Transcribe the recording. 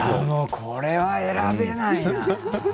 これは選べないな。